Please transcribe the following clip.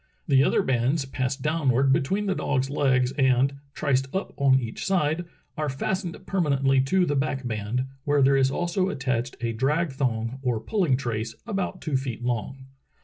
The other bands pass downward between the dog's legs and, triced up on each side, are fastened permanently to the back band, where there is also attached a drag thong or pulling trace about two feet long.